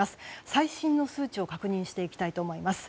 最新の数値を確認していきたいと思います。